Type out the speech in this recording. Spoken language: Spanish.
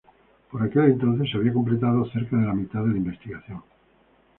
Por aquel entonces, se había completado cerca de la mitad de la investigación.